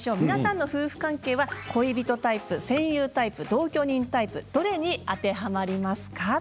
皆さんの夫婦関係は恋人タイプ、戦友タイプ同居人タイプどれに当てはまりますか。